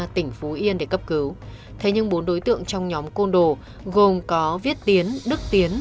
tỉnh phú yên để cấp cứu thế nhưng bốn đối tượng trong nhóm côn đồ gồm có viết tiến đức tiến